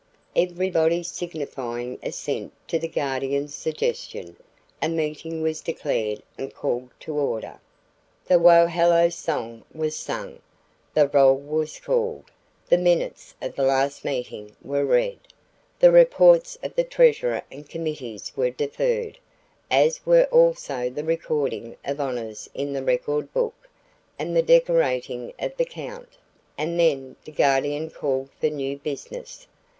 Everybody signifying assent to the Guardian's suggestion, a meeting was declared and called to order, the Wohelo Song was sung, the roll was called, the minutes of the last meeting were read, the reports of the treasurer and committees were deferred, as were also the recording of honors in the Record Book and the decorating of the count, and then the Guardian called for new business.